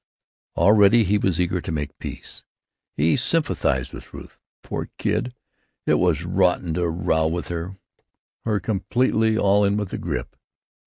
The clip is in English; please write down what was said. Already he was eager to make peace. He sympathized with Ruth. "Poor kid! it was rotten to row with her, her completely all in with the grippe."